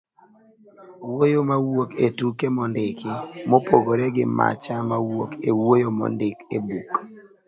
wuoyo mawuok e tuke mondiki, mopogore gi macha mawuok e wuoyo mondik e buk